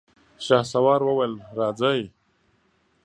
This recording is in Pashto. شهسوار وويل: راځئ!